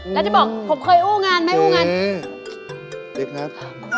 แล้วจะบอกผมเคยอู้งานไหมอู้งาน